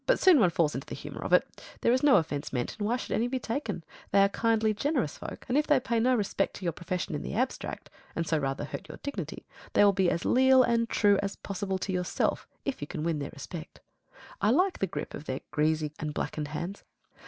But soon one falls into the humour of it. There is no offence meant; and why should any be taken? They are kindly, generous folk; and if they pay no respect to your profession in the abstract, and so rather hurt your dignity, they will be as leal and true as possible to yourself if you can win their respect. I like the grip of their greasy and blackened hands.